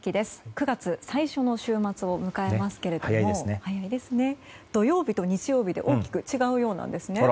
９月最初の週末を迎えますけれども土曜日と日曜日で大きく違うようなんですね。